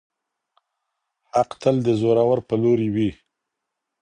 حق تل د زورور په لوري وي.